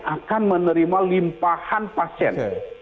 akan menerima limpahan pasien